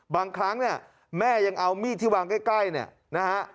บางครั้งแม่ยังเอามีดที่วางใกล้นะฮะ